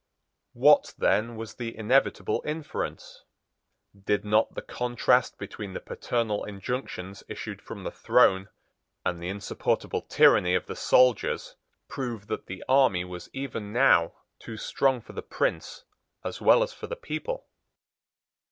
What, then, was the inevitable inference? Did not the contrast between the paternal injunctions issued from the throne and the insupportable tyranny of the soldiers prove that the army was even now too strong for the prince as well as for the people?